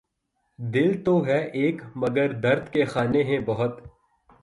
دل تو ہے ایک مگر درد کے خانے ہیں بہت